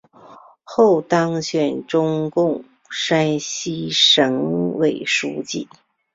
后当选中共山西省纪委书记。